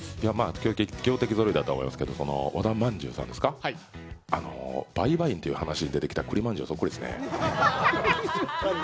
強敵ぞろいだと思いますけど、和田まんじゅうさんですか、「バイバイン」という話に出てきた栗まんじゅうにそっくりですね。